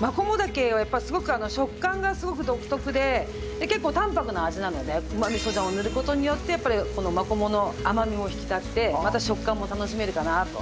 マコモダケはやっぱり食感がすごく独特で結構淡泊な味なのでうま味噌醤を塗る事によってやっぱりこのマコモの甘みも引き立ってまた食感も楽しめるかなと。